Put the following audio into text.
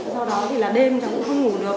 sau đó thì là đêm thì cũng không ngủ được